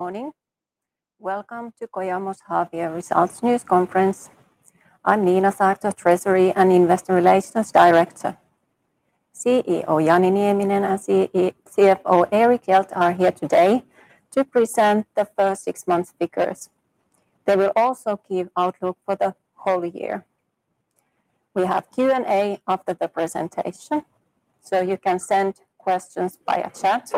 Morning. Welcome to Kojamo's half-year results news conference. I'm Niina Saarto, Treasury and Investor Relations Director. CEO Jani Nieminen and CFO Erik Hjelt are here today to present the first six months figures. They will also give outlook for the whole year. We have Q&A after the presentation, so you can send questions via chat.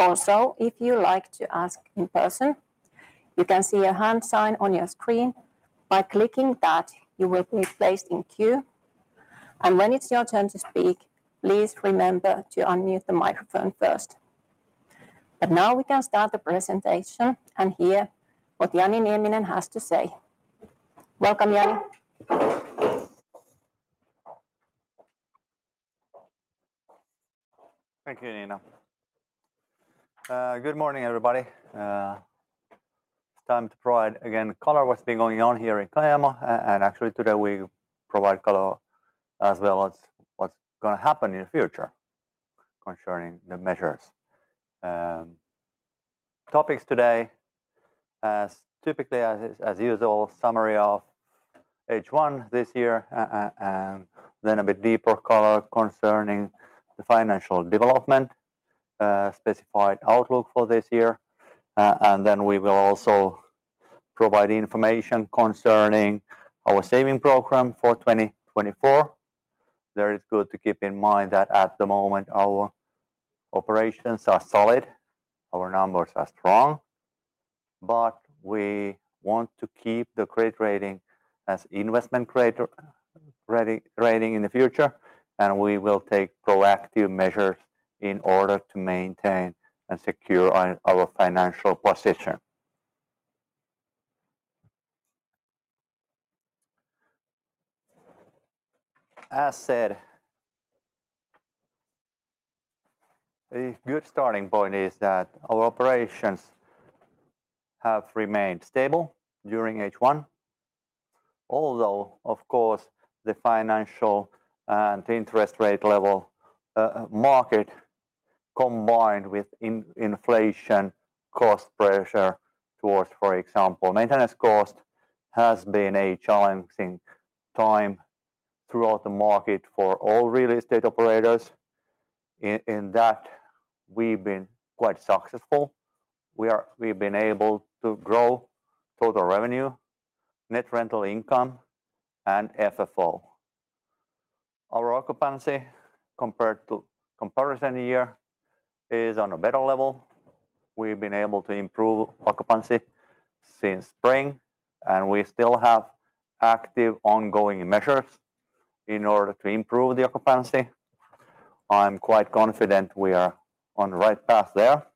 Also, if you like to ask in person, you can see a hand sign on your screen. By clicking that, you will be placed in queue, and when it's your turn to speak, please remember to unmute the microphone first. Now we can start the presentation and hear what Jani Nieminen has to say. Welcome, Jani. Thank you, Niina. Good morning, everybody. It's time to provide again, color what's been going on here in Kojamo, and actually today we provide color as well as what's gonna happen in the future concerning the measures. Topics today, as typically as, as usual, summary of H1 this year, and then a bit deeper color concerning the financial development, specified outlook for this year. Then we will also provide information concerning our saving program for 2024. There it's good to keep in mind that at the moment, our operations are solid, our numbers are strong, but we want to keep the credit rating as investment credit rating in the future, and we will take proactive measures in order to maintain and secure our, our financial position. As said, a good starting point is that our operations have remained stable during H1. Although, of course, the financial and interest rate level, market, combined with inflation, cost pressure towards, for example, maintenance cost, has been a challenging time throughout the market for all real estate operators. In that, we've been quite successful. We've been able to grow total revenue, net rental income, and FFO. Our occupancy, compared to comparison year, is on a better level. We've been able to improve occupancy since spring, and we still have active, ongoing measures in order to improve the occupancy. I'm quite confident we are on the right path there.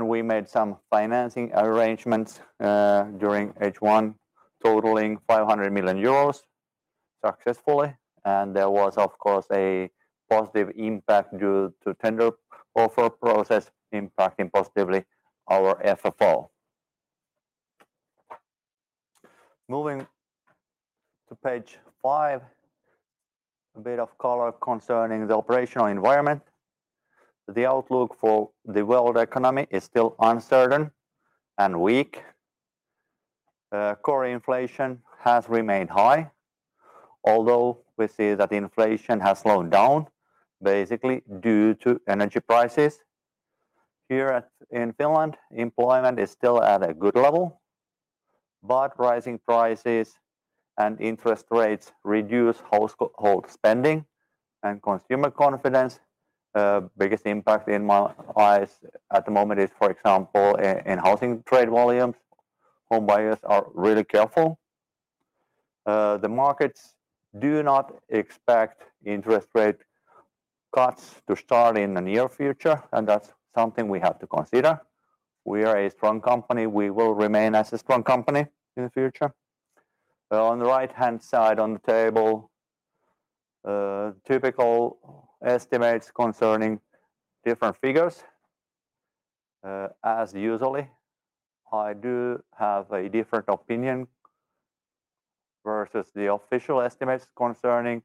We made some financing arrangements, during H1, totaling 500 million euros successfully, and there was, of course, a positive impact due to tender offer process, impacting positively our FFO. Moving to Page 5, a bit of color concerning the operational environment. The outlook for the world economy is still uncertain and weak. Core inflation has remained high, although we see that inflation has slowed down, basically due to energy prices. Here at-- in Finland, employment is still at a good level, rising prices and interest rates reduce household spending and consumer confidence. Biggest impact in my eyes at the moment is, for example, i-in housing trade volumes. Home buyers are really careful. The markets do not expect interest rate cuts to start in the near future, and that's something we have to consider. We are a strong company. We will remain as a strong company in the future. On the right-hand side on the table, typical estimates concerning different figures. As usually, I do have a different opinion versus the official estimates concerning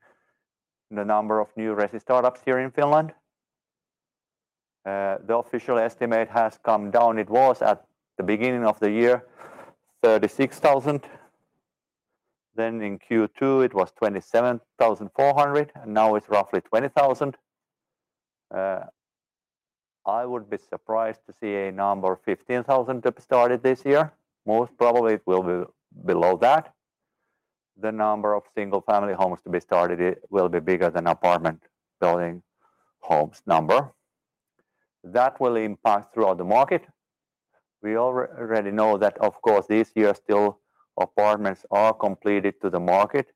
the number of new resi startups here in Finland. The official estimate has come down. It was at the beginning of the year, 36,000, then in Q2, it was 27,400, and now it's roughly 20,000. I would be surprised to see a number 15,000 to be started this year. Most probably, it will be below that. The number of single-family homes to be started, it will be bigger than apartment building homes number. That will impact throughout the market. We already know that, of course, this year, still, apartments are completed to the market,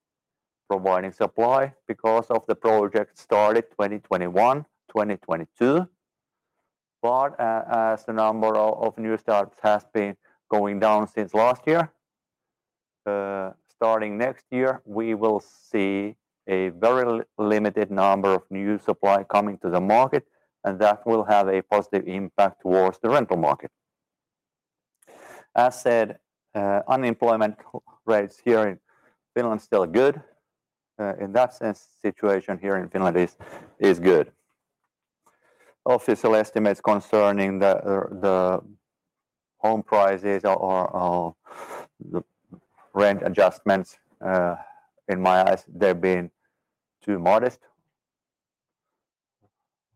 providing supply because of the project started 2021, 2022. As the number of new starts has been going down since last year, starting next year, we will see a very limited number of new supply coming to the market, and that will have a positive impact towards the rental market. As said, unemployment rates here in Finland still are good. In that sense, situation here in Finland is good. Official estimates concerning the home prices or the rent adjustments, in my eyes, they've been too modest.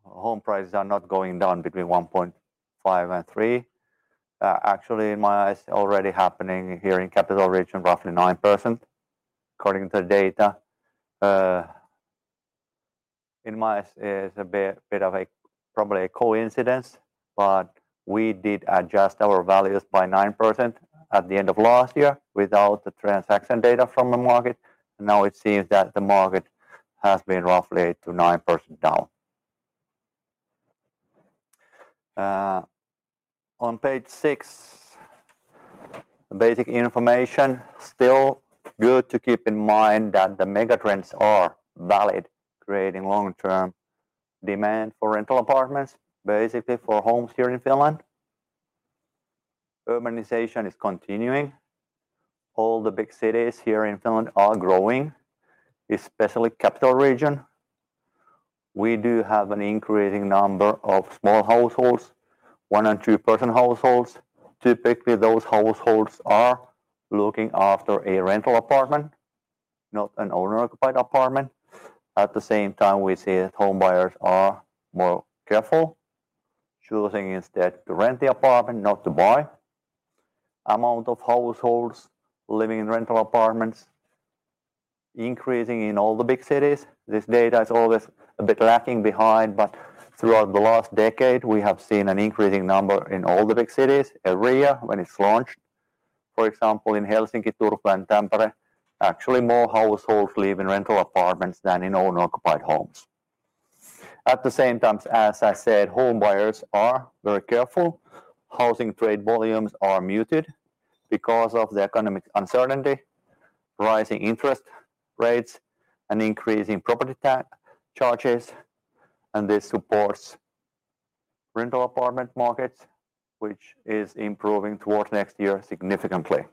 Home prices are not going down between 1.5% and 3%. Actually, in my eyes, already happening here in capital region, roughly 9%, according to the data. In my eyes, it's a bit, bit of a probably a coincidence, but we did adjust our values by 9% at the end of last year without the transaction data from the market, and now it seems that the market has been roughly to 9% down. On Page 6, basic information. Good to keep in mind that the mega trends are valid, creating long-term demand for rental apartments, basically for homes here in Finland. Urbanization is continuing. All the big cities here in Finland are growing, especially capital region. We do have an increasing number of small households, one and two-person households. Typically, those households are looking after a rental apartment, not an owner-occupied apartment. At the same time, we see that home buyers are more careful, choosing instead to rent the apartment, not to buy. Amount of households living in rental apartments increasing in all the big cities. This data is always a bit lagging behind, but throughout the last decade, we have seen an increasing number in all the big cities. Area, when it's launched, for example, in Helsinki, Turku, and Tampere, actually, more households live in rental apartments than in owner-occupied homes. At the same time, as I said, home buyers are very careful. Housing trade volumes are muted because of the economic uncertainty, rising interest rates, and increasing property charges, and this supports rental apartment markets, which is improving towards next year significantly.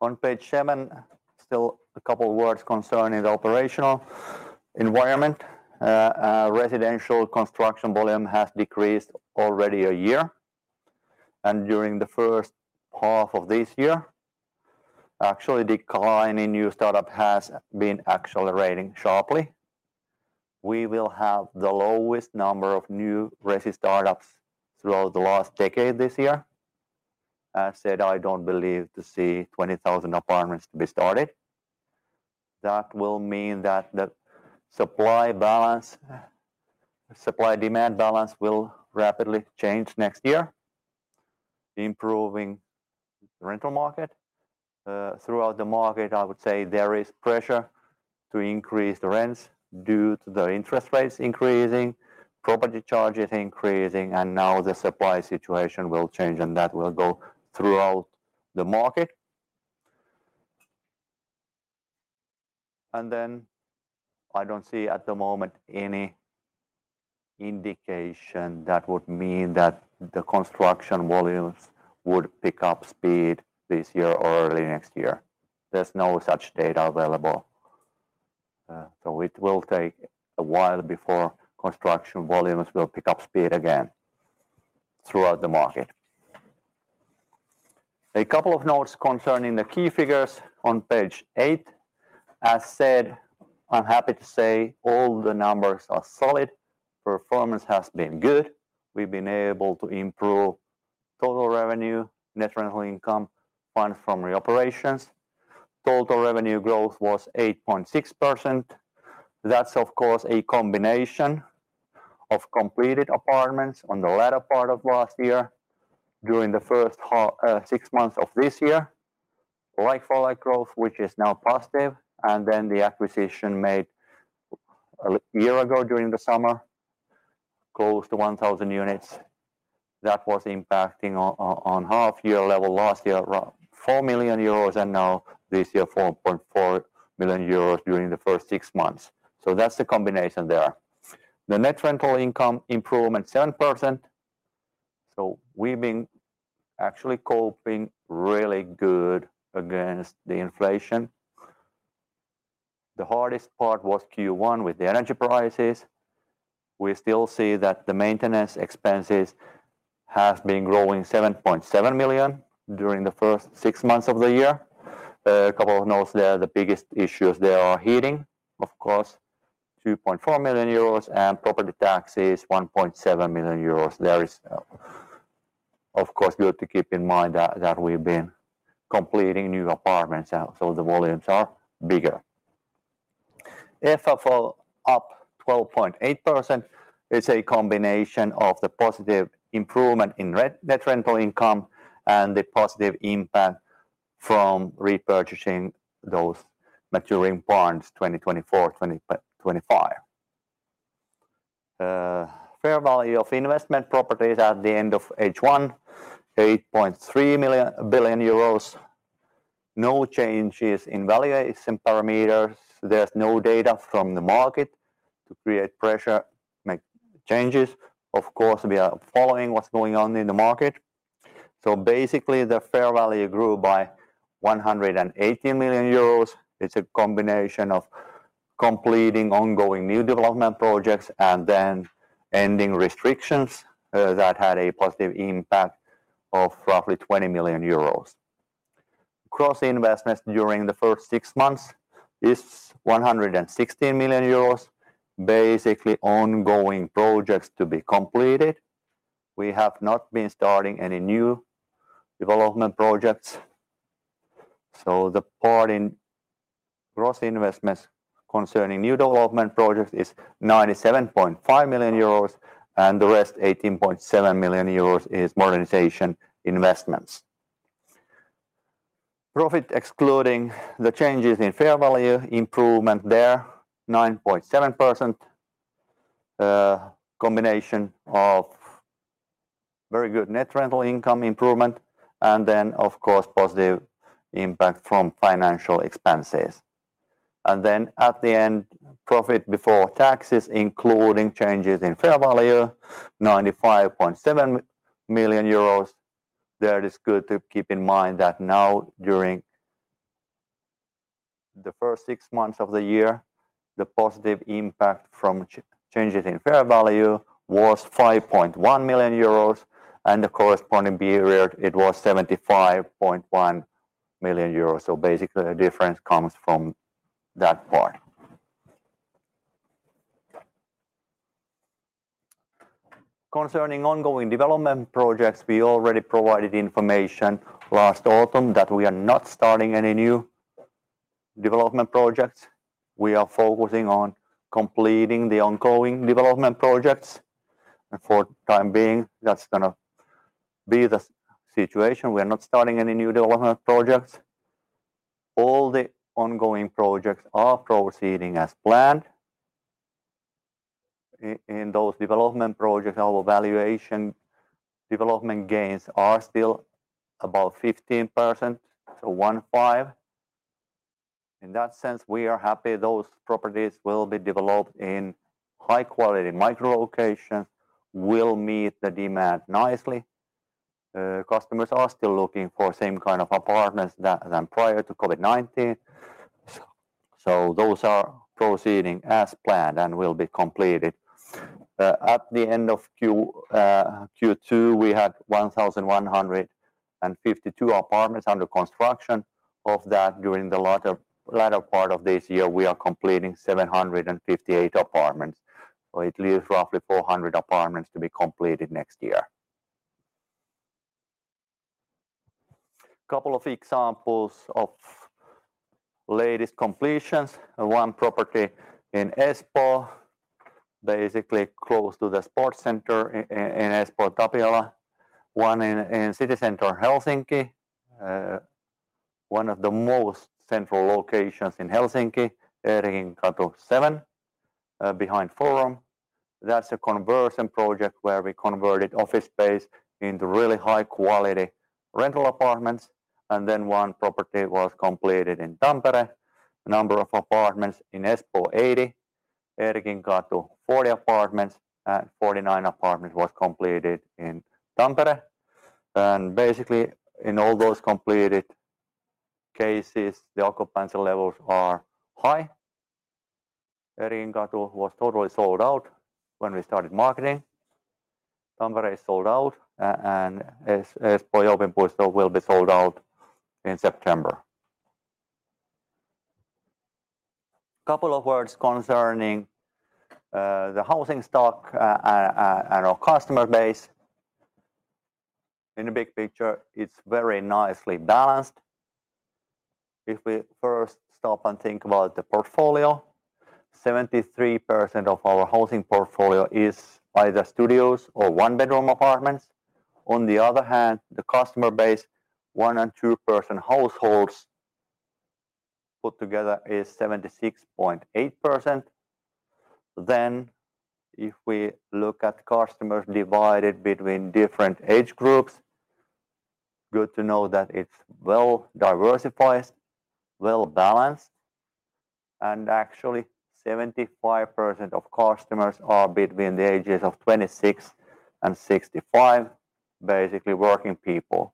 On Page 7, still a couple words concerning the operational environment. Residential construction volume has decreased already a year, and during the first half of this year, actually, decline in new startup has been accelerating sharply. We will have the lowest number of new resi startups throughout the last decade this year. I said I don't believe to see 20,000 apartments to be started. That will mean that the supply-demand balance will rapidly change next year, improving the rental market. Throughout the market, I would say there is pressure to increase the rents due to the interest rates increasing, property charges increasing, now the supply situation will change, that will go throughout the market. Then I don't see at the moment any indication that would mean that the construction volumes would pick up speed this year or early next year. There's no such data available. It will take a while before construction volumes will pick up speed again throughout the market. A couple of notes concerning the key figures on Page 8. As said, I'm happy to say all the numbers are solid. Performance has been good. We've been able to improve total revenue, net rental income, fund from the operations. Total revenue growth was 8.6%. That's of course, a combination of completed apartments on the latter part of last year, during the first half, six months of this year. Like-for-like growth, which is now positive, the acquisition made a year ago during the summer, close to 1,000 units. That was impacting on half year level last year, around 4 million euros, this year, 4.4 million euros during the first six months. That's the combination there. The net rental income improvement, 7%. We've been actually coping really good against the inflation. The hardest part was Q1 with the energy prices. We still see that the maintenance expenses have been growing 7.7 million during the first six months of the year. A couple of notes there, the biggest issues there are heating, of course, 2.4 million euros, and property taxes, 1.7 million euros. There is, of course, good to keep in mind that, that we've been completing new apartments, so the volumes are bigger. FFO up 12.8% is a combination of the positive improvement in re- net rental income and the positive impact from repurchasing those maturing bonds, 2024, 2025. Fair value of investment properties at the end of H1, 8.3 billion euros. No changes in valuation parameters. There's no data from the market to create pressure, make changes. Of course, we are following what's going on in the market. Basically, the fair value grew by 180 million euros. It's a combination of completing ongoing new development projects and then ending restrictions that had a positive impact of roughly 20 million euros. Gross investments during the first six months is 116 million euros. Basically, ongoing projects to be completed. We have not been starting any new development projects, so the part in gross investments concerning new development projects is 97.5 million euros, and the rest, 18.7 million euros, is modernization investments. Profit, excluding the changes in fair value, improvement there, 9.7%. Combination of very good net rental income improvement, and then, of course, positive impact from financial expenses. Then at the end, profit before taxes, including changes in fair value, 95.7 million euros. There, it is good to keep in mind that now during the first six months of the year, the positive impact from changes in fair value was 5.1 million euros, and the corresponding period, it was 75.1 million euros. Basically, the difference comes from that part. Concerning ongoing development projects, we already provided information last autumn that we are not starting any new development projects. We are focusing on completing the ongoing development projects, and for the time being, that's gonna be the situation. We are not starting any new development projects. All the ongoing projects are proceeding as planned. In those development projects, our valuation development gains are still about 15%, so one, five. In that sense, we are happy those properties will be developed in high quality micro locations, will meet the demand nicely. Customers are still looking for same kind of apartments that than prior to COVID-19. Those are proceeding as planned and will be completed. At the end of Q2, we had 1,152 apartments under construction. Of that, during the latter, latter part of this year, we are completing 758 apartments. It leaves roughly 400 apartments to be completed next year. Couple of examples of latest completions. One property in Espoo, basically close to the sports center in Espoo, Tapiola. One in, in city center Helsinki, one of the most central locations in Helsinki, Eerikinkatu 7, behind Forum. That's a conversion project where we converted office space into really high quality rental apartments, and then one property was completed in Tampere. Number of apartments in Espoo, 80. Eerikinkatu, 40 apartments, 49 apartments was completed in Tampere. Basically, in all those completed cases, the occupancy levels are high. Eerikinkatu was totally sold out when we started marketing. Tampere is sold out, and Espoo will be sold out in September. Couple of words concerning the housing stock and our customer base. In the big picture, it's very nicely balanced. If we first stop and think about the portfolio, 73% of our housing portfolio is either studios or one-bedroom apartments. On the other hand, the customer base, one- and two-person households, put together, is 76.8%. If we look at customers divided between different age groups, good to know that it's well diversified, well balanced, and actually, 75% of customers are between the ages of 26 and 65, basically working people.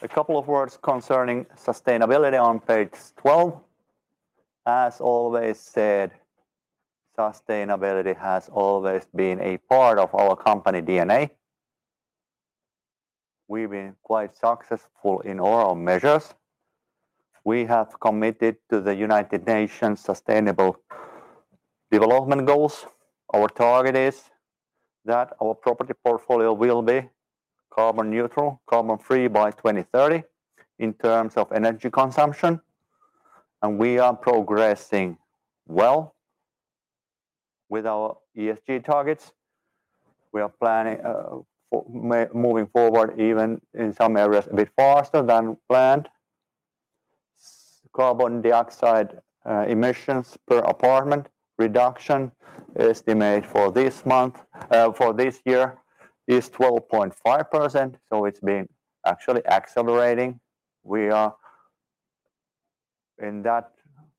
A couple of words concerning sustainability on Page 12. As always said, sustainability has always been a part of our company DNA. We've been quite successful in all our measures. We have committed to the United Nations Sustainable Development Goals. Our target is that our property portfolio will be carbon neutral, carbon-free by 2030, in terms of energy consumption, and we are progressing well with our ESG targets. We are planning for moving forward, even in some areas, a bit faster than planned. Carbon dioxide emissions per apartment reduction estimate for this month, for this year is 12.5%, so it's been actually accelerating. We are in that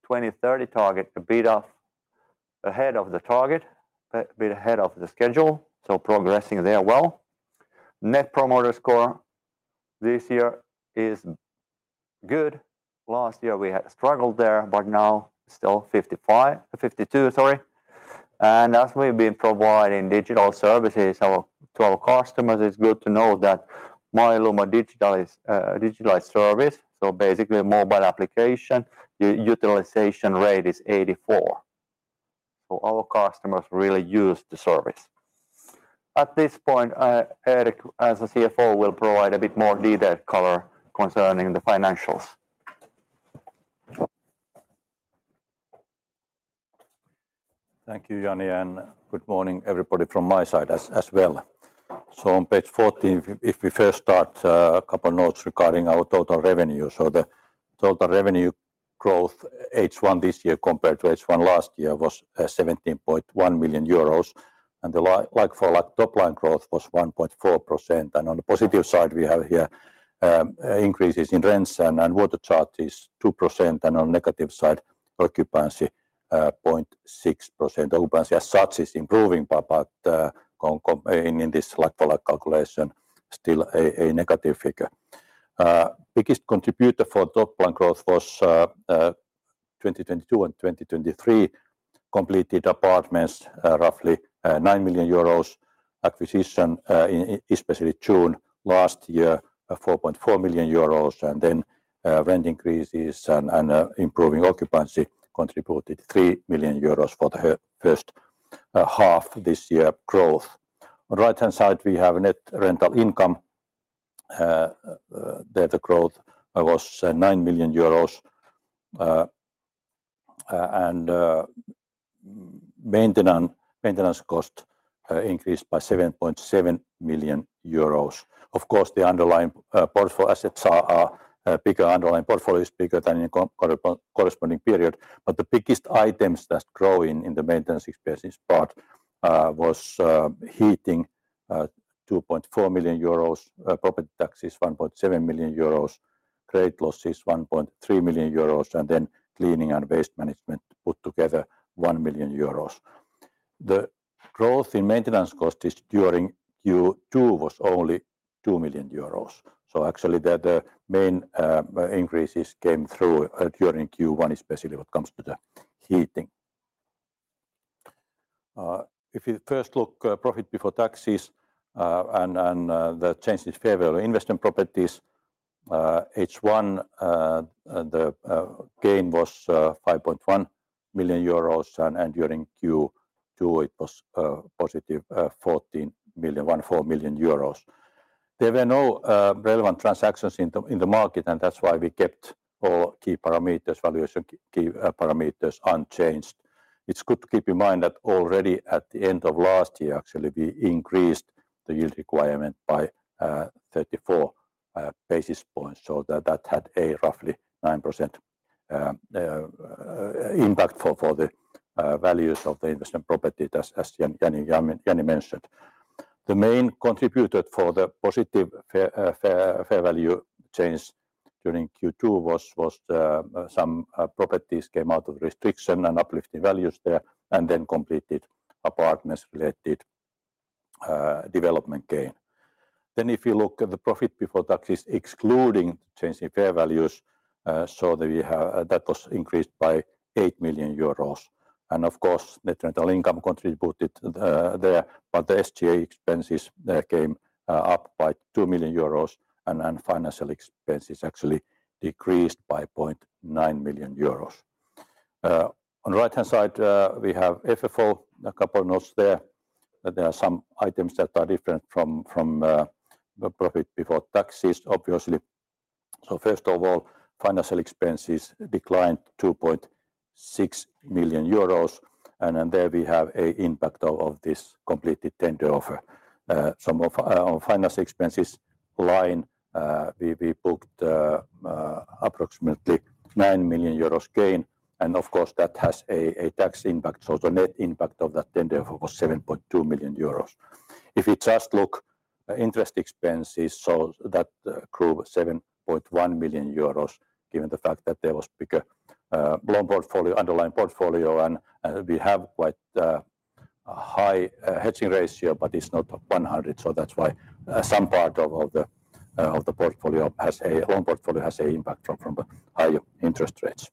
2030 target, a bit off ahead of the target, a bit ahead of the schedule, so progressing there well. Net promoter score this year is good. Last year, we had struggled there, now still 55... 52, sorry. As we've been providing digital services our, to our customers, it's good to know that My Lumo digital is a digitalized service, so basically a mobile application. The utilization rate is 84. Our customers really use the service. At this point, Erik, as a CFO, will provide a bit more detailed color concerning the financials. Thank you, Jani, good morning, everybody, from my side as, as well. On Page 14, if we, if we first start, a couple notes regarding our total revenue. The total revenue growth, H1 this year compared to H1 last year, was 17.1 million euros, and the like-for-like top line growth was 1.4%. On the positive side, we have here, increases in rents and, and water charges, 2%, and on negative side, occupancy, 0.6%. Occupancy as such is improving, in this like-for-like calculation, still a, a negative figure. Biggest contributor for top line growth was 2022 and 2023 completed apartments, roughly, 9 million euros. Acquisition, especially June last year, 4.4 million euros, and then rent increases and improving occupancy contributed 3 million euros for the first half this year growth. On the right-hand side, we have net rental income. There the growth was EUR 9 million, and maintenance, maintenance cost, increased by 7.7 million euros. Of course, the underlying portfolio assets are bigger. Underlying portfolio is bigger than the corresponding period, but the biggest items that grow in the maintenance expenses part was heating, 2.4 million euros, property taxes, 1.7 million euros, trade losses, 1.3 million euros, and then cleaning and waste management put together 1 million euros. The growth in maintenance cost is during Q2 was only 2 million euros. Actually, the, the main increases came through during Q1, especially when it comes to the heating. If you first look profit before taxes and the change in fair value investment properties, H1 the gain was 5.1 million euros, and during Q2, it was positive 14 million, 14 million euros. There were no relevant transactions in the market. That's why we kept all key parameters, valuation key parameters unchanged. It's good to keep in mind that already at the end of last year, actually, we increased the yield requirement by 34 basis points, that had a roughly 9% impact for the values of the investment property, as Jani mentioned. The main contributor for the positive fair value change during Q2 was some properties came out of restriction and uplifting values there, and then completed apartments-related development gain. If you look at the profit before taxes, excluding the change in fair values, we have. That was increased by 8 million euros. Of course, the rental income contributed there. The SGA expenses there came up by 2 million euros. Financial expenses actually decreased by 0.9 million euros. On the right-hand side, we have FFO, a couple of notes there. There are some items that are different from, from the profit before taxes, obviously. First of all, financial expenses declined 2.6 million euros, and then there we have a impact of, of this completed tender offer. Some of our financial expenses line, we, we booked, approximately 9 million euros gain, and of course, that has a, a tax impact. The net impact of that tender was 7.2 million euros. If you just look at interest expenses, so that grew 7.1 million euros, given the fact that there was bigger loan portfolio, underlying portfolio, and we have quite a high hedging ratio, but it's not 100. That's why some part of, of the portfolio loan portfolio has a impact from, from the higher interest rates.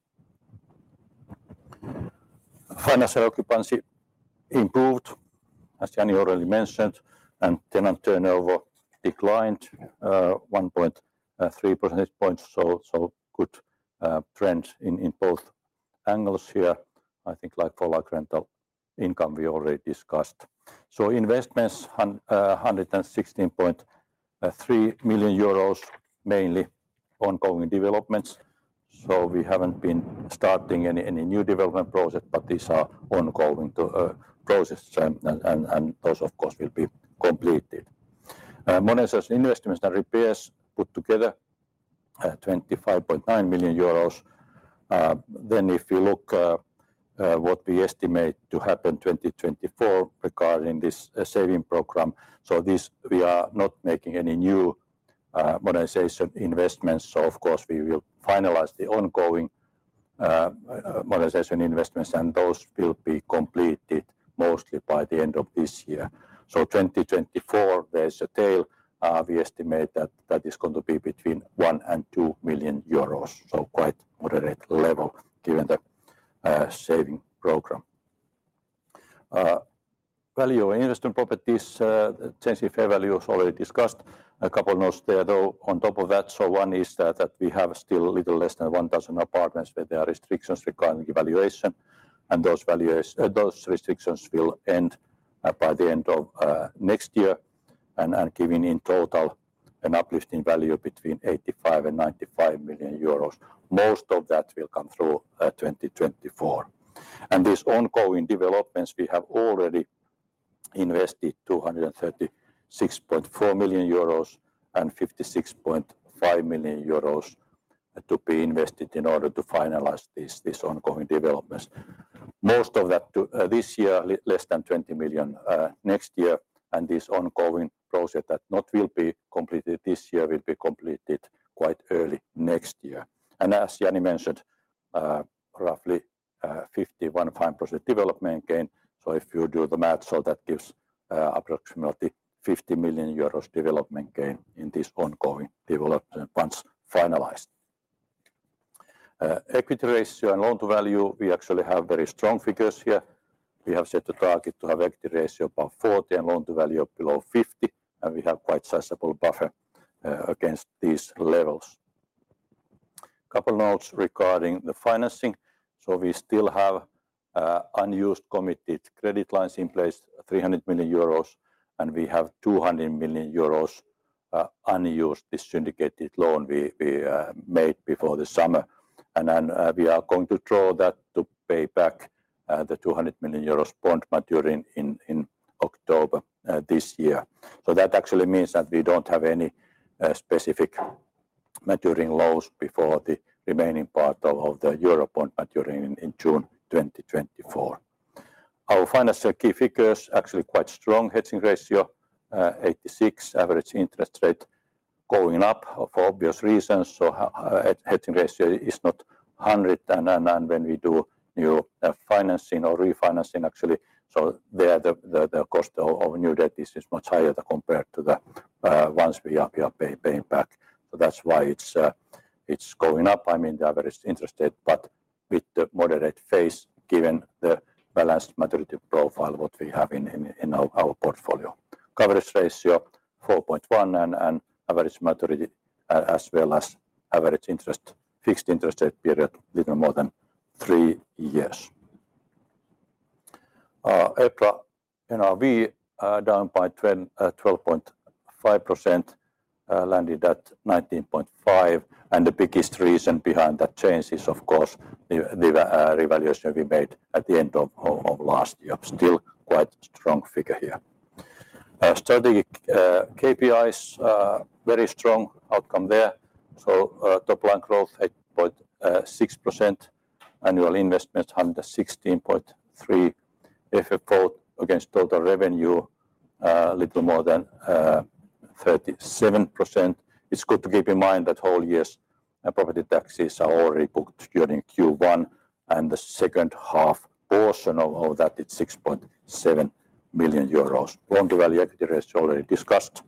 Financial occupancy improved, as Jani already mentioned, and tenant turnover declined, 1.3 percentage points, so, so good trend in, in both angles here, I think like-for-like rental income we already discussed. Investments, 116.3 million euros, mainly ongoing developments. We haven't been starting any, any new development project, but these are ongoing to projects, and, and, and those, of course, will be completed. Modernization investments and repairs put together, 25.9 million euros. If you look what we estimate to happen 2024 regarding this saving program, so this, we are not making any new modernization investments. Of course, we will finalize the ongoing modernization investments, and those will be completed mostly by the end of this year. 2024, there's a tail. We estimate that that is going to be between 1 million and 2 million euros. Quite moderate level given the saving program. Value of investment properties, change in fair value is already discussed. A couple of notes there, though, on top of that, one is that, that we have still a little less than 1,000 apartments, where there are restrictions regarding evaluation, and those valuers, those restrictions will end by the end of next year, and giving in total an uplift in value between 85 million and 95 million euros. Most of that will come through 2024. This ongoing developments, we have already invested 236.4 million euros and 56.5 million euros to be invested in order to finalize this, this ongoing developments. Most of that to this year, less than 20 million next year, and this ongoing project that not will be completed this year, will be completed quite early next year. As Jani mentioned, roughly 51.5% development gain. If you do the math, that gives approximately 50 million euros development gain in this ongoing development once finalized. Equity ratio and loan-to-value, we actually have very strong figures here. We have set the target to have equity ratio above 40 and loan-to-value below 50, and we have quite sizable buffer against these levels. Couple notes regarding the financing. We still have unused committed credit lines in place, 300 million euros, and we have 200 million euros unused, this syndicated loan made before the summer. We are going to draw that to pay back the 200 million euros bond maturing in October this year. That actually means that we don't have any specific maturing loans before the remaining part of the eurobond maturing in June 2024. Our financial key figures, actually quite strong. Hedging ratio, 86. Average interest rate going up for obvious reasons, so hedging ratio is not 100, and, and, and when we do new financing or refinancing, actually, so there the, the, the cost of, of new debt is, is much higher than compared to the ones we are paying back. That's why it's going up. I mean, the average interest rate with the moderate phase, given the balanced maturity profile, what we have in, in, in our, our portfolio. Coverage ratio, 4.1, and average maturity, as well as average fixed interest rate period, little more than three years. EPRA NRV down by 12.5%, landed at 19.5. The biggest reason behind that change is, of course, the revaluation we made at the end of last year. Still quite strong figure here. Strategic KPIs, very strong outcome there. Top line growth, 8.6%. Annual investment, 116.3. FFO against total revenue, little more than 37%. It's good to keep in mind that whole year's property taxes are already booked during Q1, and the second half portion of that is 6.7 million euros. Loan-to-value equity ratio already discussed,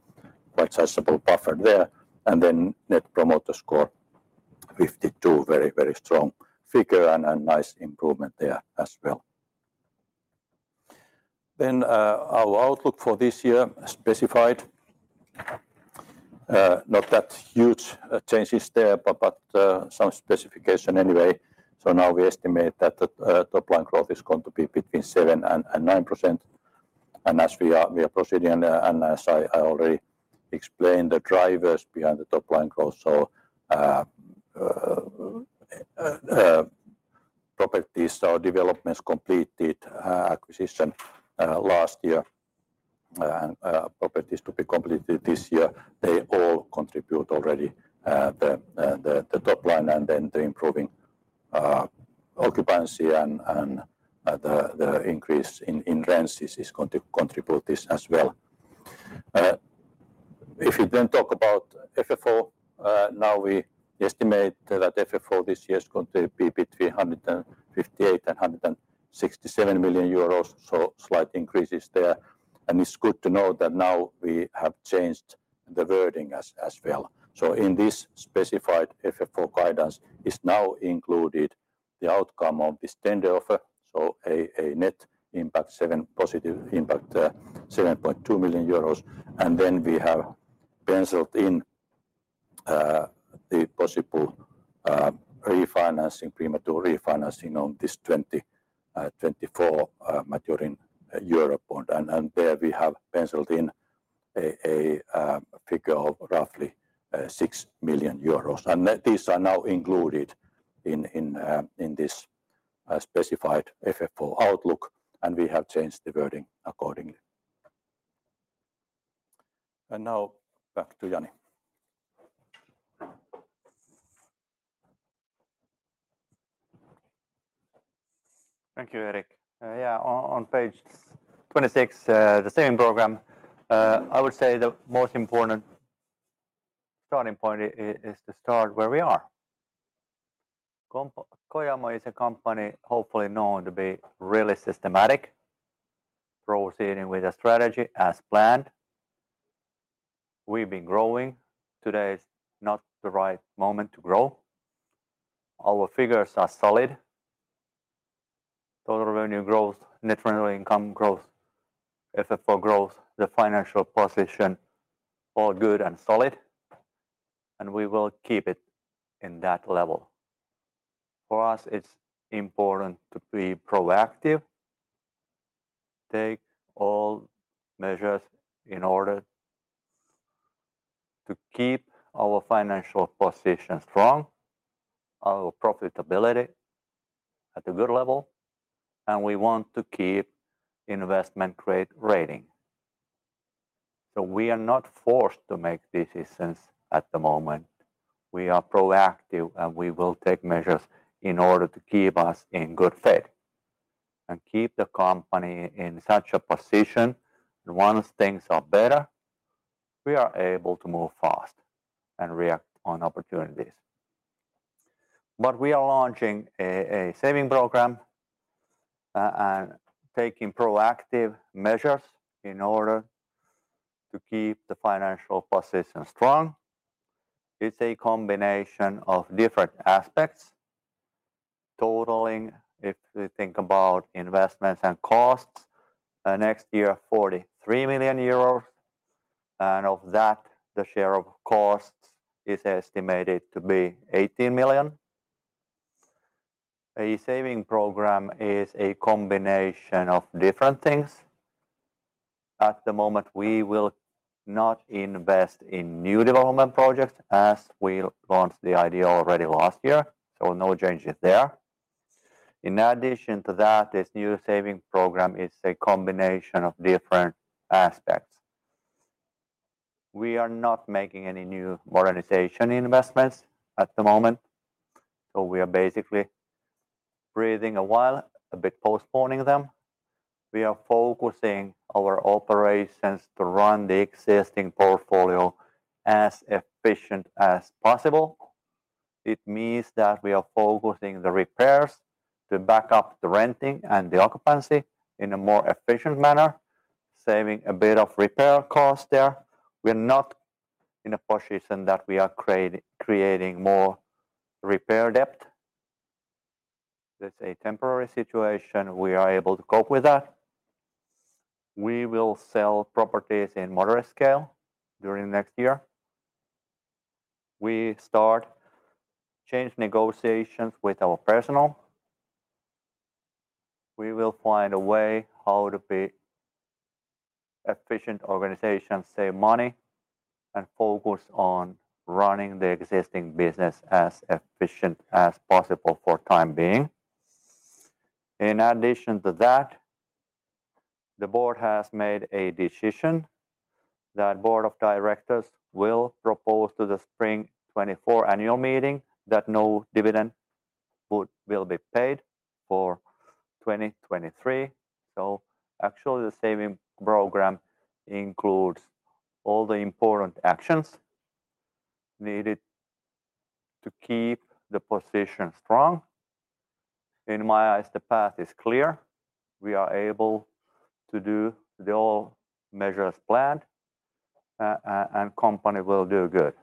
quite sizable buffer there. Net promoter score, 52. Very, very strong figure and nice improvement there as well. Our outlook for this year, as specified, not that huge, changes there, but, but, some specification anyway. Now we estimate that the top line growth is going to be between 7% and 9%. As we are, we are proceeding, and, and as I, I already explained, the drivers behind the top line growth, so, properties or developments completed, acquisition, last year, and, properties to be completed this year, they all contribute already, the, the, the top line, and then the improving, occupancy and, and, the, the increase in, in rents is, is going to contribute this as well. If you talk about FFO, now we estimate that FFO this year is going to be between 158 million euros and 167 million euros, slight increases there. It's good to note that now we have changed the wording as well. In this specified FFO guidance is now included the outcome of this tender offer, a net impact, 7.2 million euros. We have penciled in the possible refinancing, premature refinancing on this 2024 maturing eurobond. There we have penciled in a figure of roughly 6 million euros. These are now included in this specified FFO outlook, we have changed the wording accordingly. Now back to Jani. Thank you, Erik. Yeah, on, on Page 26, the saving program, I would say the most important starting point is to start where we are. Kojamo is a company hopefully known to be really systematic, proceeding with a strategy as planned. We've been growing. Today is not the right moment to grow. Our figures are solid. Total revenue growth, net revenue income growth, FFO growth, the financial position, all good and solid. We will keep it in that level. For us, it's important to be proactive, take all measures in order to keep our financial position strong, our profitability at a good level, and we want to keep investment grade rating. We are not forced to make decisions at the moment. We are proactive, and we will take measures in order to keep us in good fit and keep the company in such a position that once things are better, we are able to move fast and react on opportunities. We are launching a, a saving program and taking proactive measures in order to keep the financial position strong. It's a combination of different aspects, totaling, if we think about investments and costs, next year, 43 million euros, and of that, the share of costs is estimated to be 18 million. A saving program is a combination of different things. At the moment, we will not invest in new development projects as we launched the idea already last year, so no changes there. In addition to that, this new saving program is a combination of different aspects. We are not making any new modernization investments at the moment. We are basically breathing a while, a bit postponing them. We are focusing our operations to run the existing portfolio as efficient as possible. It means that we are focusing the repairs to back up the renting and the occupancy in a more efficient manner, saving a bit of repair cost there. We're not in a position that we are creating more repair debt. That's a temporary situation. We are able to cope with that. We will sell properties in moderate scale during next year. We start change negotiations with our personnel. We will find a way how to be efficient organization, save money, and focus on running the existing business as efficient as possible for time being. In addition to that, the board has made a decision that board of directors will propose to the Spring 2024 annual meeting that no dividend will be paid for 2023. Actually, the saving program includes all the important actions needed to keep the position strong. In my eyes, the path is clear. We are able to do the all measures planned, and company will do good.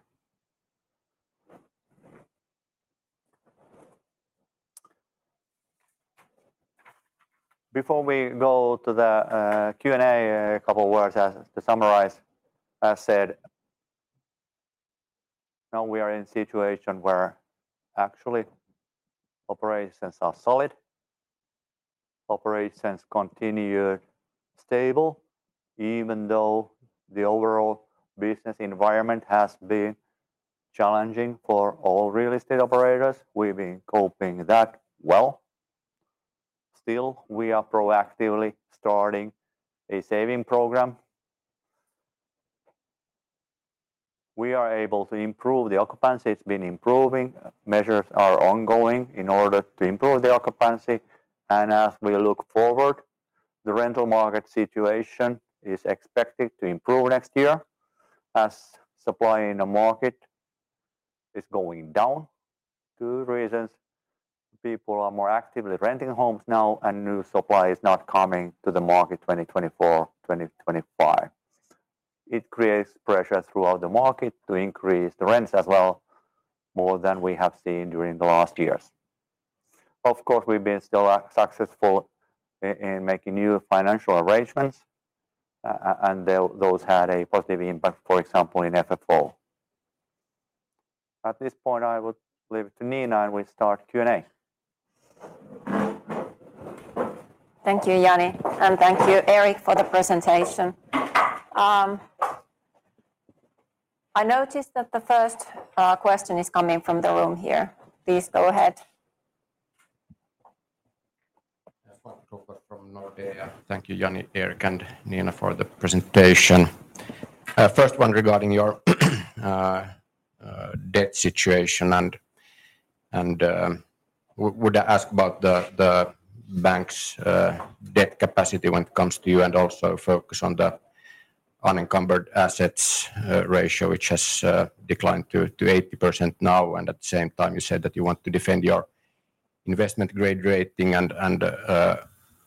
Before we go to the Q&A, a couple words to summarize. I said, now we are in a situation where actually, operations are solid. Operations continue stable, even though the overall business environment has been challenging for all real estate operators, we've been coping that well. Still, we are proactively starting a saving program. We are able to improve the occupancy. It's been improving. Measures are ongoing in order to improve the occupancy, and as we look forward, the rental market situation is expected to improve next year as supply in the market is going down. Two reasons: people are more actively renting homes now, and new supply is not coming to the market 2024, 2025. It creates pressure throughout the market to increase the rents as well, more than we have seen during the last years. Of course, we've been still successful in, in making new financial arrangements, and those had a positive impact, for example, in FFO. At this point, I will leave it to Niina, and we start Q&A. Thank you, Jani, and thank you, Erik, for the presentation. I noticed that the first question is coming from the room here. Please go ahead. Yes, Svante Krokfors from Nordea. Thank you, Jani, Erik, and Niina for the presentation. First one regarding your debt situation, would ask about the bank's debt capacity when it comes to you, and also focus on the unencumbered assets ratio, which has declined to 80% now. At the same time, you said that you want to defend your investment grade rating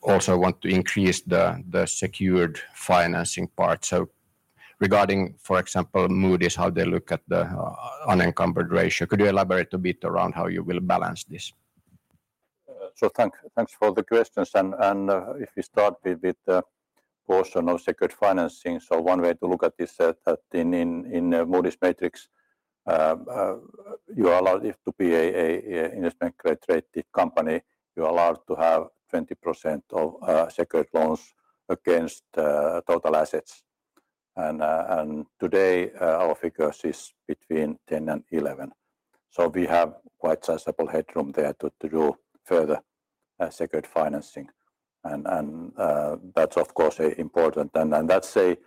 also want to increase the secured financing part. Regarding, for example, Moody's, how they look at the unencumbered ratio, could you elaborate a bit around how you will balance this? So thank- thanks for the questions. If we start with, with the portion of secured financing, so one way to look at this, that in, in, in Moody's matrix, you are allowed it to be a, a, a investment grade-rated company. You are allowed to have 20% of secured loans against total assets. Today, our figure is between 10 and 11. So we have quite sizable headroom there to, to do further secured financing. That's of course, important. That's a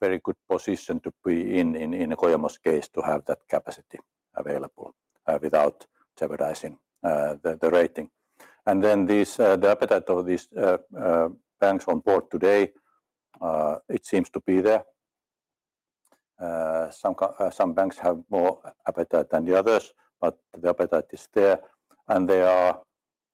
very good position to be in, in, in Kojamo's case, to have that capacity available without jeopardizing the rating. Then this, the appetite of these banks on board today, it seems to be there. Some banks have more appetite than the others, but the appetite is there, and there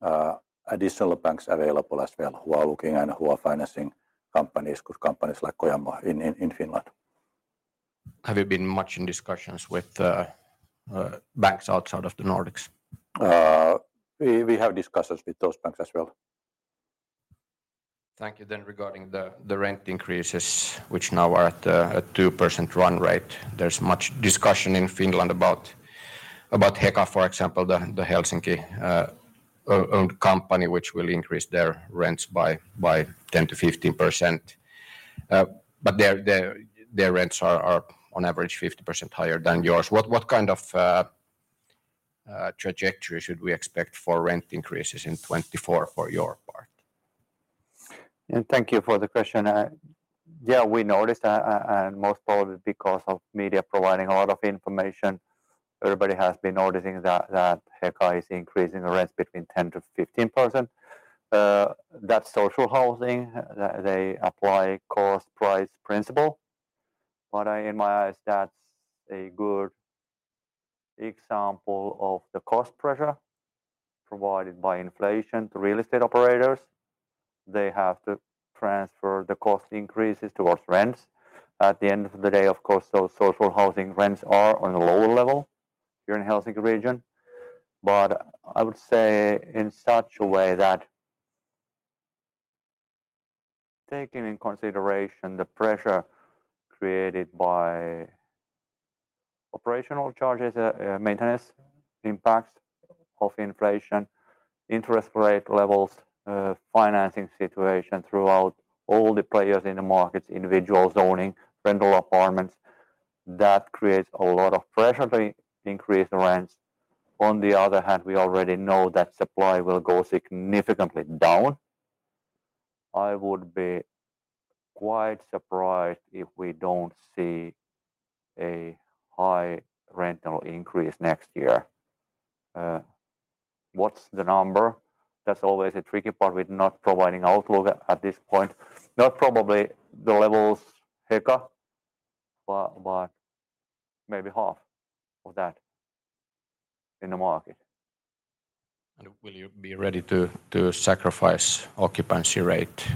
are additional banks available as well who are looking and who are financing companies, good companies like Kojamo in Finland. Have you been much in discussions with banks outside of the Nordics? We, we have discussions with those banks as well. Thank you. Regarding the rent increases, which now are at a 2% run rate, there's much discussion in Finland about Heka, for example, the Helsinki-owned company, which will increase their rents by 10%-15%. But their rents are on average 50% higher than yours. What kind of trajectory should we expect for rent increases in 2024 for your part? Thank you for the question. Yeah, we noticed, and most probably because of media providing a lot of information, everybody has been noticing that, that Heka is increasing the rents between 10%-15%. That's social housing. They apply cost-price principle. In my eyes, that's a good example of the cost pressure provided by inflation to real estate operators. They have to transfer the cost increases towards rents. At the end of the day, of course, those social housing rents are on a lower level here in Helsinki region. I would say in such a way that taking in consideration the pressure created by operational charges, maintenance impacts of inflation, interest rate levels, financing situation throughout all the players in the markets, individual zoning, rental apartments, that creates a lot of pressure to increase the rents. On the other hand, we already know that supply will go significantly down. I would be quite surprised if we don't see a high rental increase next year. What's the number? That's always a tricky part with not providing outlook at this point. Not probably the levels, Heka, but, but maybe half of that in the market. Will you be ready to sacrifice occupancy rate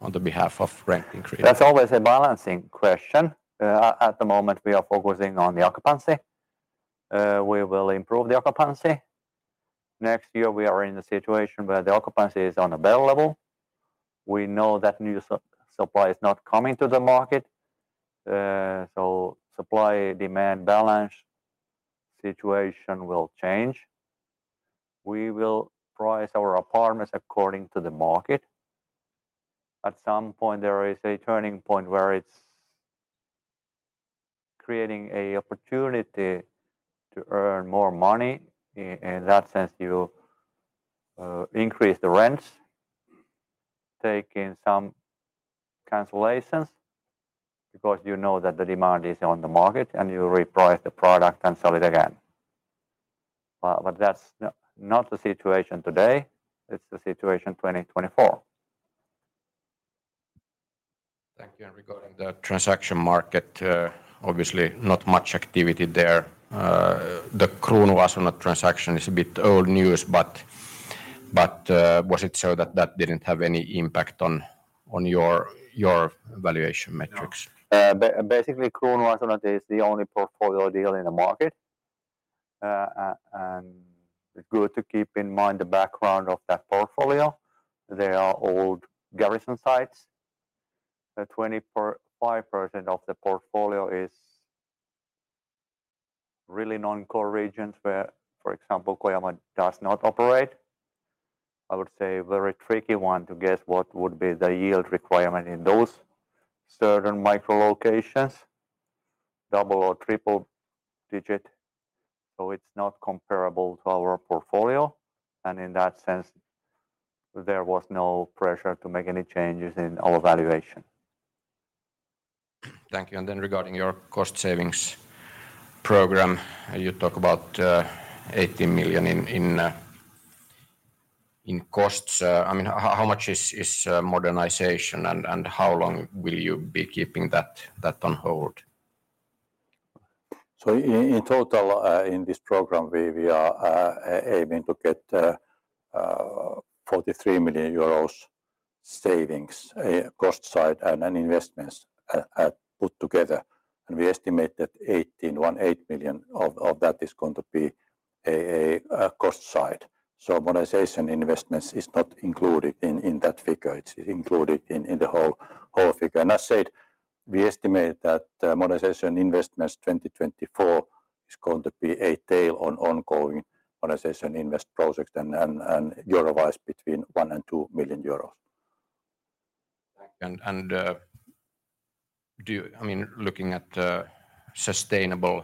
on the behalf of rent increase? That's always a balancing question. At the moment, we are focusing on the occupancy. We will improve the occupancy. Next year, we are in a situation where the occupancy is on a better level. We know that new supply is not coming to the market, so supply-demand balance situation will change. We will price our apartments according to the market. At some point, there is a turning point where it's creating a opportunity to earn more money. In that sense, you increase the rents, taking some cancellations because you know that the demand is on the market, and you reprice the product and sell it again. That's not the situation today. It's the situation 2024. Thank you. Regarding the transaction market, obviously, not much activity there. The Kruunuasunnot transaction is a bit old news, but, but, was it so that that didn't have any impact on, on your, your valuation metrics? Basically, Kruunuasunnot is the only portfolio deal in the market. Good to keep in mind the background of that portfolio. They are old garrison sites. 24.5% of the portfolio is really non-core regions where, for example, Kojamo does not operate, I would say very tricky one to guess what would be the yield requirement in those certain micro locations, double or triple digit. It's not comparable to our portfolio, and in that sense, there was no pressure to make any changes in our valuation. Thank you. Regarding your cost savings program, you talk about 80 million in costs. I mean, how much is modernization, and how long will you be keeping that on hold? In total, in this program, we are aiming to get 43 million euros savings, cost side and investments put together. We estimate that 18 million of that is going to be a cost side. Modernization investments is not included in that figure. It's included in the whole figure. As said, we estimate that modernization investments 2024 is going to be a tail on ongoing modernization invest project and euro-wise between 1 million and 2 million euro. Do you-- I mean, looking at, sustainable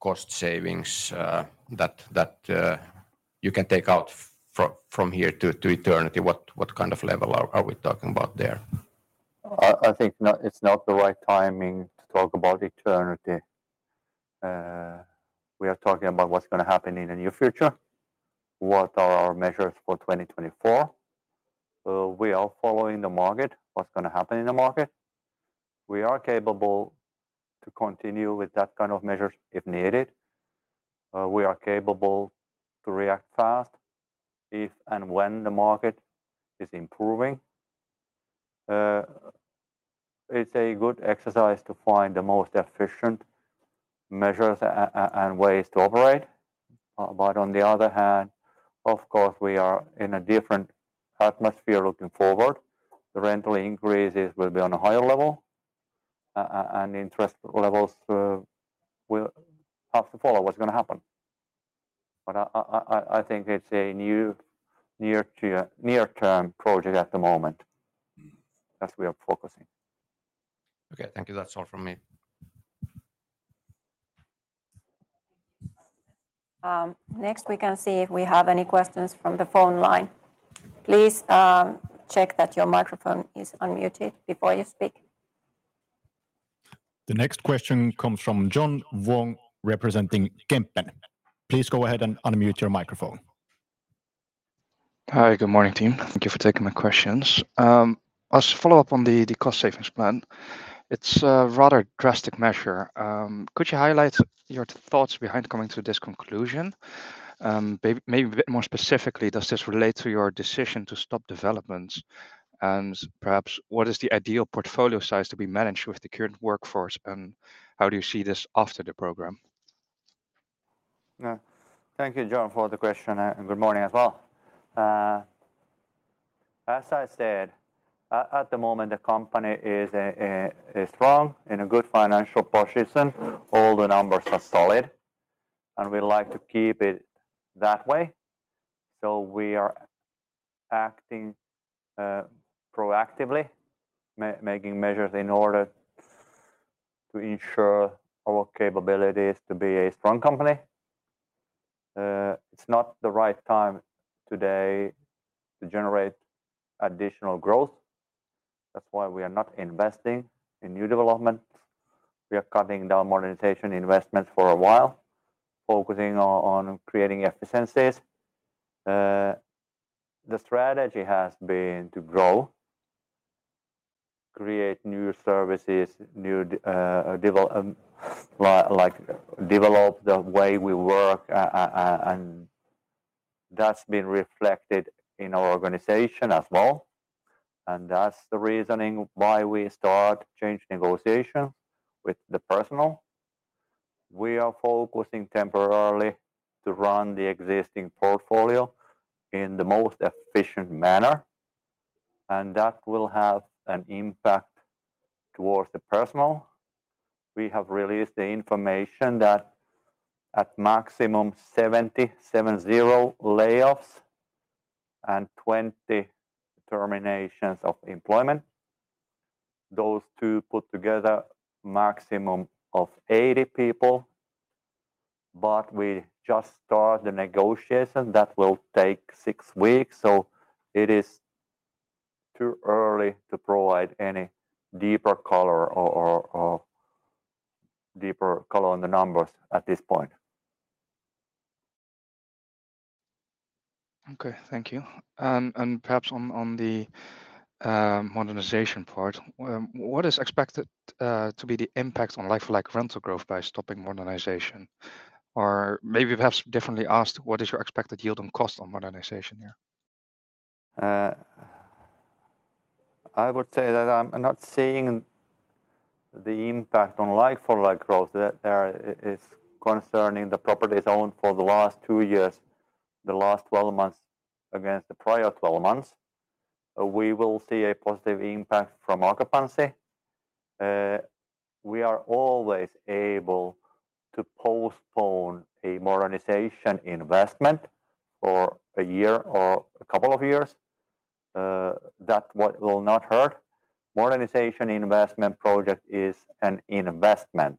cost savings, that, that, you can take out from here to, to eternity, what, what kind of level are, are we talking about there? I, I think not, it's not the right timing to talk about eternity. We are talking about what's gonna happen in the near future, what are our measures for 2024. We are following the market, what's gonna happen in the market. We are capable to continue with that kind of measures if needed. We are capable to react fast if and when the market is improving. It's a good exercise to find the most efficient measures and ways to operate. On the other hand, of course, we are in a different atmosphere looking forward. The rental increases will be on a higher level, and interest levels, will have to follow what's gonna happen. I, I, I, think it's a new near-term project at the moment. Mm. that we are focusing. Okay, thank you. That's all from me. Next, we can see if we have any questions from the phone line. Please, check that your microphone is unmuted before you speak. The next question comes from John Vuong, representing Kempen. Please go ahead and unmute your microphone. Hi, good morning, team. Thank you for taking my questions. As a follow-up on the, the cost savings plan, it's a rather drastic measure. Could you highlight your thoughts behind coming to this conclusion? May-maybe a bit more specifically, does this relate to your decision to stop developments? Perhaps, what is the ideal portfolio size to be managed with the current workforce, and how do you see this after the program? Thank you, John, for the question, and good morning as well. As I said, at the moment, the company is in, is strong, in a good financial position. All the numbers are solid. We like to keep it that way. We are acting proactively, making measures in order to ensure our capabilities to be a strong company. It's not the right time today to generate additional growth. That's why we are not investing in new developments. We are cutting down modernization investments for a while, focusing on, on creating efficiencies. The strategy has been to grow, create new services, new develop, like develop the way we work, and that's been reflected in our organization as well, and that's the reasoning why we start change negotiation with the personnel. We are focusing temporarily to run the existing portfolio in the most efficient manner. That will have an impact towards the personnel. We have released the information that at maximum 70 layoffs and 20 terminations of employment, those two put together maximum of 80 people. We just started the negotiation. That will take six weeks. It is too early to provide any deeper color or deeper color on the numbers at this point. Okay, thank you. Perhaps on, on the modernization part, what is expected to be the impact on like-for-like rental growth by stopping modernization? Maybe perhaps differently asked, what is your expected yield on cost on modernization here? I would say that I'm not seeing the impact on like-for-like growth. That there is concerning the properties owned for the last two years, the last 12 months against the prior 12 months. We will see a positive impact from occupancy. We are always able to postpone a modernization investment for a year or a couple of years. That what will not hurt. Modernization investment project is an investment.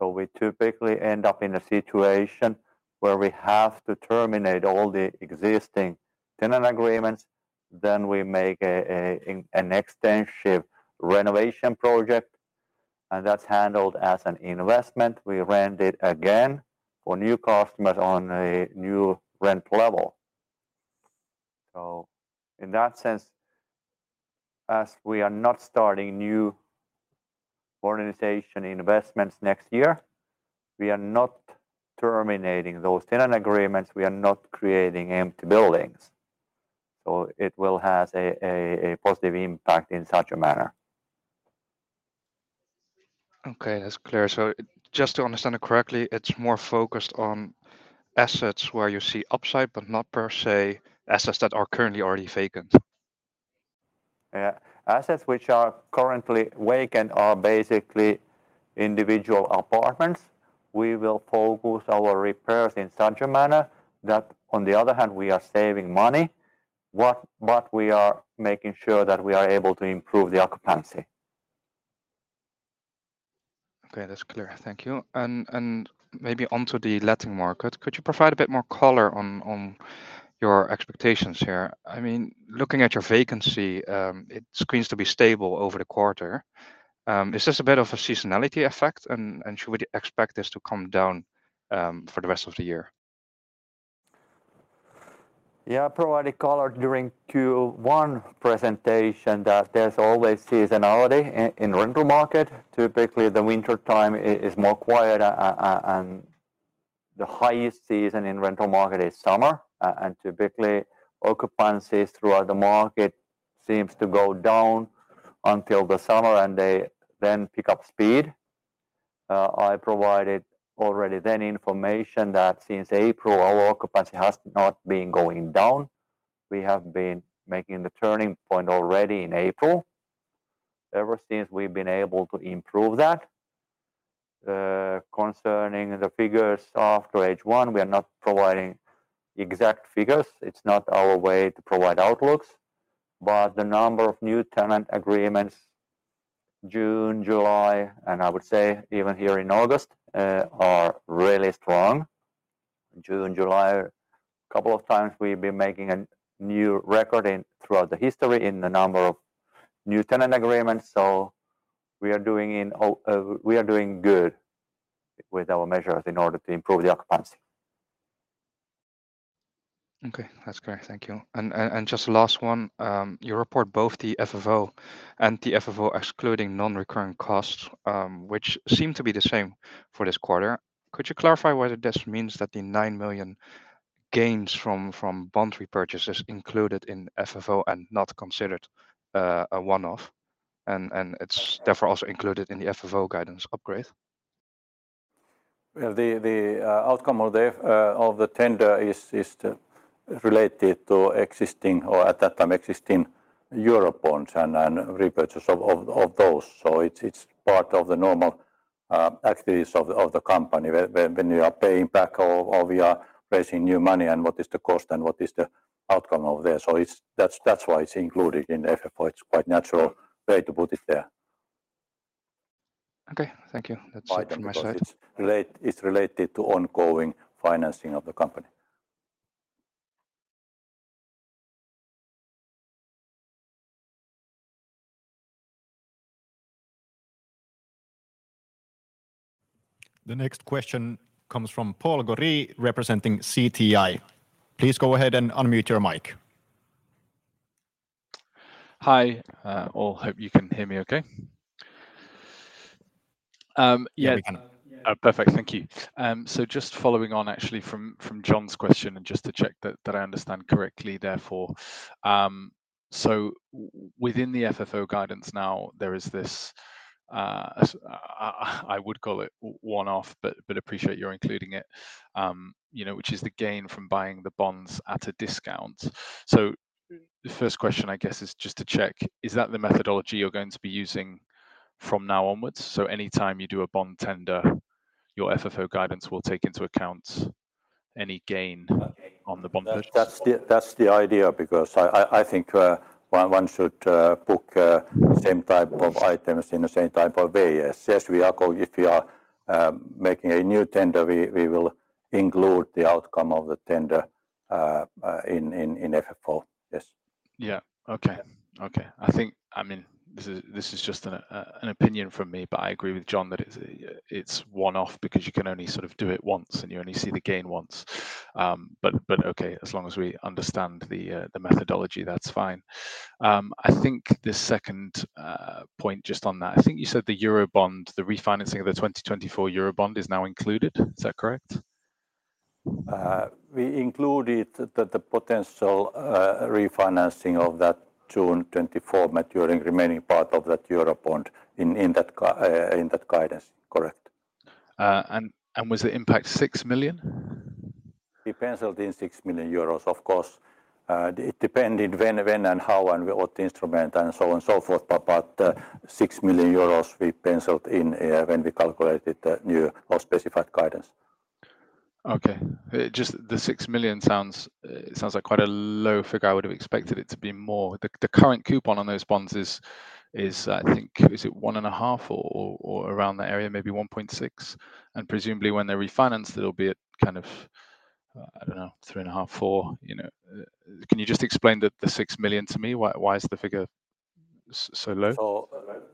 We typically end up in a situation where we have to terminate all the existing tenant agreements, then we make an extensive renovation project, and that's handled as an investment. We rent it again for new customers on a new rent level. In that sense, as we are not starting new organization investments next year, we are not terminating those tenant agreements. We are not creating empty buildings. It will have a, a, a positive impact in such a manner. Okay, that's clear. Just to understand it correctly, it's more focused on assets where you see upside, but not per se, assets that are currently already vacant? Yeah. Assets which are currently vacant are basically individual apartments. We will focus our repairs in such a manner that on the other hand, we are saving money, but we are making sure that we are able to improve the occupancy. Okay, that's clear. Thank you. and maybe onto the letting market, could you provide a bit more color on, on your expectations here? I mean, looking at your vacancy, it seems to be stable over the quarter. Is this a bit of a seasonality effect, and should we expect this to come down for the rest of the year? Yeah, I provided color during Q1 presentation, that there's always seasonality i-in rental market. Typically, the wintertime i-is more quiet, and the highest season in rental market is summer. Typically, occupancies throughout the market seems to go down until the summer, and they then pick up speed. I provided already then information that since April, our occupancy has not been going down. We have been making the turning point already in April. Ever since, we've been able to improve that. Concerning the figures after H1, we are not providing exact figures. It's not our way to provide outlooks, the number of new tenant agreements, June, July, and I would say even here in August, are really strong. June, July, couple of times we've been making a new record in-- throughout the history in the number of new tenant agreements. We are doing in... We are doing good with our measures in order to improve the occupancy. Okay, that's clear. Thank you. Just last one, you report both the FFO and the FFO excluding non-recurrent costs, which seem to be the same for this quarter. Could you clarify whether this means that the 9 million gains from bond repurchases included in FFO are not considered a one-off, and it's therefore also included in the FFO guidance upgrade? Well, the, the, outcome of the, of the tender is, is related to existing, or at that time, existing Eurobonds and, and repurchase of, of, of those. It's, it's part of the normal, activities of the, of the company. When, when, when you are paying back or, or we are raising new money, and what is the cost and what is the outcome of that? It's... That's, that's why it's included in FFO. It's quite natural way to put it there. Okay, thank you. That's it from my side. It's related to ongoing financing of the company. The next question comes from Paul Goeree, representing Citi. Please go ahead and unmute your mic. Hi. Hope you can hear me okay? Yeah. We can. Perfect. Thank you. Just following on actually from John's question and just to check that I understand correctly, therefore. Within the FFO guidance now, there is this, I would call it one-off, but appreciate your including it, you know, which is the gain from buying the bonds at a discount. The first question, I guess, is just to check, is that the methodology you're going to be using from now onwards? Anytime you do a bond tender, your FFO guidance will take into account any gain on the bond purchase? That's the idea, because I think, one should book same type of items in the same type of way. Yes, If we are making a new tender, we will include the outcome of the tender in FFO. Yes. Yeah. Okay. Okay. I think... I mean, this is, this is just an opinion from me, but I agree with John that it's, it's one-off because you can only sort of do it once, and you only see the gain once. But, but okay, as long as we understand the methodology, that's fine. I think the second point just on that, I think you said the eurobond, the refinancing of the 2024 eurobond is now included. Is that correct? We included the potential refinancing of that June 24th maturing remaining part of that eurobond in that guidance. Correct. And was the impact 6 million? We penciled in 6 million euros, of course. It depended when, when and how, and what instrument, and so on and so forth. 6 million euros we penciled in when we calculated the new or specified guidance. Okay. just the 6 million sounds, sounds like quite a low figure. I would have expected it to be more. The, the current coupon on those bonds is, is, I think. Is it 1.5% or, or, or around that area? Maybe 1.6%, and presumably when they refinance, it'll be at kind of, I don't know, 3.5%, 4%, you know. can you just explain the, the 6 million to me? Why, why is the figure so low?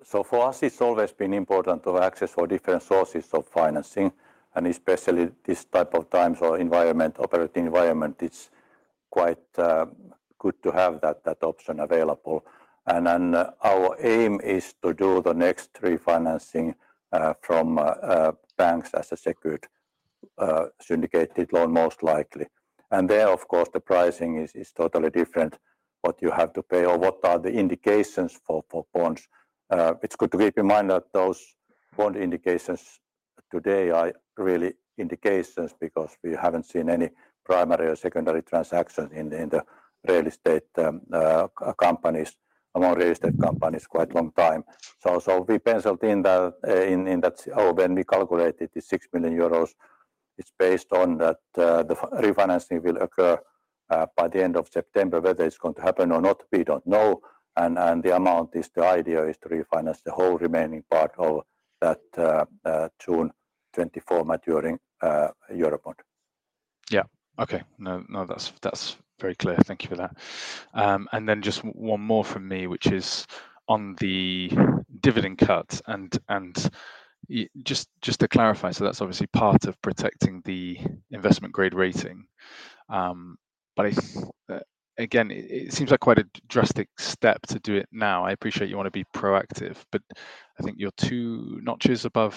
So, for us, it's always been important to access for different sources of financing, and especially this type of times or environment, operating environment. It's quite good to have that, that option available. Then our aim is to do the next refinancing from banks as a secured syndicated loan, most likely. There, of course, the pricing is, is totally different. What you have to pay or what are the indications for, for bonds? It's good to keep in mind that those bond indications today are really indications because we haven't seen any primary or secondary transaction in the, in the real estate, companies, among real estate companies, quite long time. So, we penciled in the, in, in that. Oh, when we calculated the 6 million euros, it's based on that, the refinancing will occur by the end of September. Whether it's going to happen or not, we don't know, and the amount is the idea is to refinance the whole remaining part of that June 2024 maturing during eurobond. Yeah. Okay. No, no, that's, that's very clear. Thank you for that. Then just 1 more from me, which is on the dividend cut. Just, just to clarify, so that's obviously part of protecting the investment grade rating. I. Again, it, it seems like quite a drastic step to do it now. I appreciate you wanna be proactive, but I think you're two notches above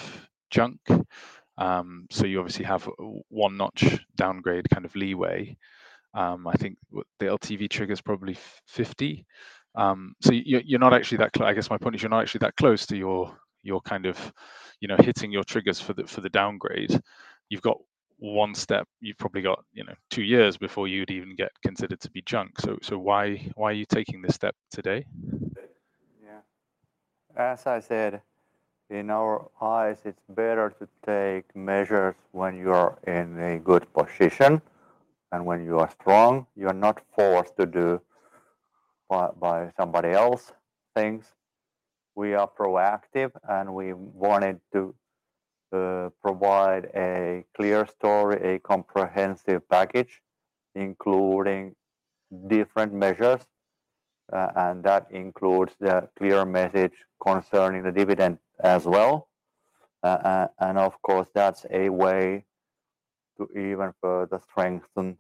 junk. You obviously have one notch downgrade kind of leeway. I think what the LTV trigger is probably 50. You're, you're not actually that close to your, your kind of, you know, hitting your triggers for the, for the downgrade. You've got 1 step. You've probably got, you know, two years before you'd even get considered to be junk. Why are you taking this step today? Yeah. As I said, in our eyes, it's better to take measures when you're in a good position and when you are strong, you are not forced to do by, by somebody else things. We are proactive, and we wanted to provide a clear story, a comprehensive package, including different measures, and that includes the clear message concerning the dividend as well. Of course, that's a way to even further strengthen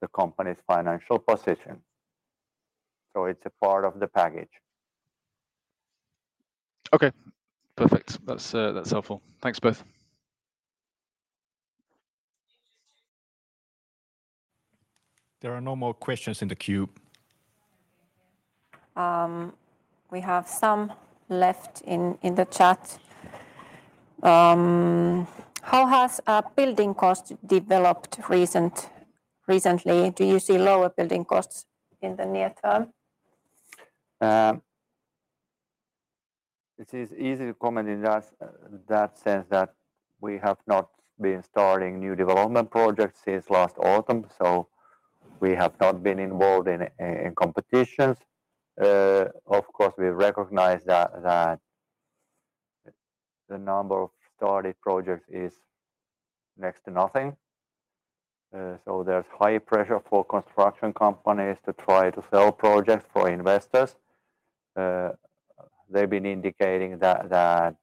the company's financial position. It's a part of the package. Okay, perfect. That's, that's helpful. Thanks, both. There are no more questions in the queue. We have some left in, in the chat. How has building cost developed recently? Do you see lower building costs in the near term? It is easy to comment in that, that sense that we have not been starting new development projects since last autumn, so we have not been involved in, in competitions. Of course, we recognize that, that the number of started projects is next to nothing. So there's high pressure for construction companies to try to sell projects for investors. They've been indicating that, that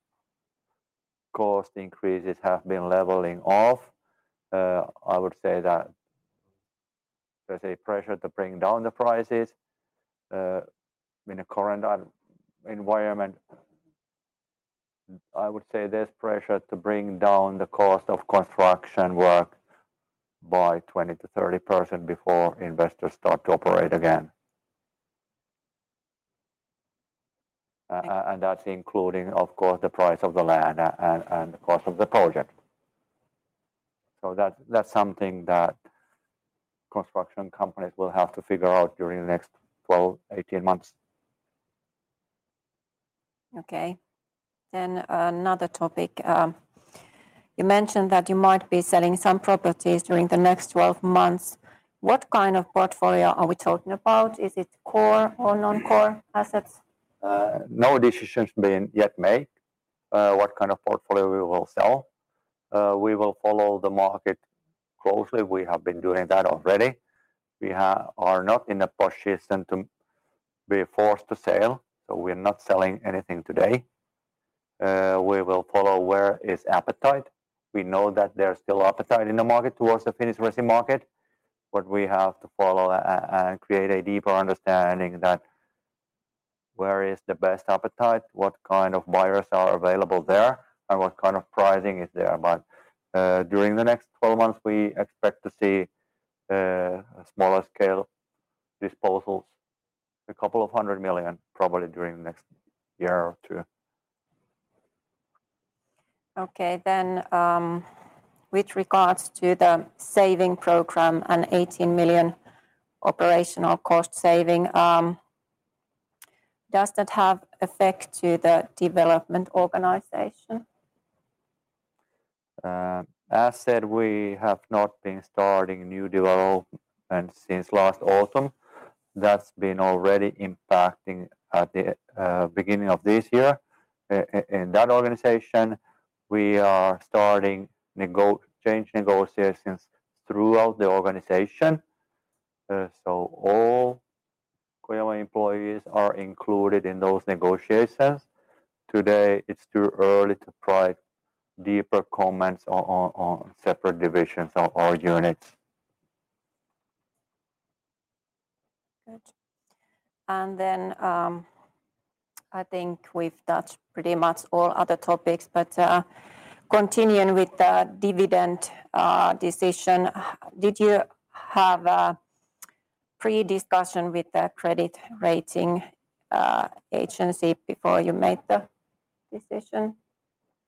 cost increases have been leveling off. I would say that there's a pressure to bring down the prices in the current environment. I would say there's pressure to bring down the cost of construction work by 20%-30% before investors start to operate again. Thank- And that's including, of course, the price of the land and, and the cost of the project. That's, that's something that construction companies will have to figure out during the next 12, 18 months. Okay. Another topic. You mentioned that you might be selling some properties during the next 12 months. What kind of portfolio are we talking about? Is it core or non-core assets? No decisions been yet made, what kind of portfolio we will sell. We will follow the market closely. We have been doing that already. We are not in a position to be forced to sell, so we're not selling anything today. We will follow where is appetite. We know that there's still appetite in the market towards the Finnish resi market. What we have to follow and create a deeper understanding that where is the best appetite, what kind of buyers are available there, and what kind of pricing is there. During the next 12 months, we expect to see, a smaller scale disposals. A couple of 100 million, probably during the next year or two. With regards to the saving program and 18 million operational cost saving, does that have effect to the development organization? As said, we have not been starting new development, since last autumn, that's been already impacting at the beginning of this year. In that organization, we are starting change negotiations throughout the organization. All Kojamo employees are included in those negotiations. Today, it's too early to provide deeper comments on, on, on separate divisions of our units. Good. Then, I think we've touched pretty much all other topics, but continuing with the dividend decision, did you have a pre-discussion with the credit rating agency before you made the decision?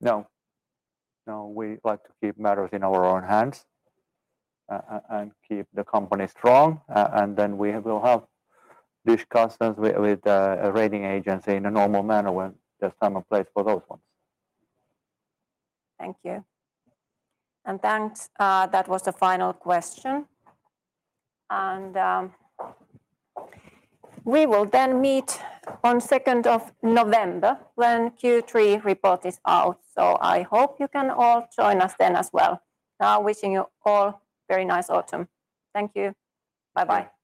No. No, we like to keep matters in our own hands, and keep the company strong, and then we will have discussions with, with, a rating agency in a normal manner when there's time and place for those ones. Thank you. Thanks, that was the final question. We will then meet on 2nd of November when Q3 report is out. I hope you can all join us then as well. Wishing you all very nice autumn. Thank you. Bye-bye. Thank you.